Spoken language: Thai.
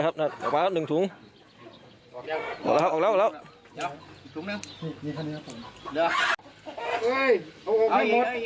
ประมาณเท่าไหร่เนี่ย